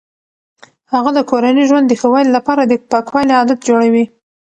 هغه د کورني ژوند د ښه والي لپاره د پاکوالي عادات جوړوي.